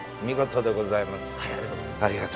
見事でございます。